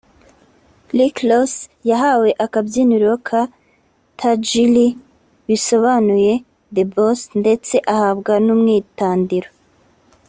Rick Ross yahawe akabyiniro ka ‘ Tajiri ’ bisobanuye The Boss ndetse ahabwa n’ umwitandiro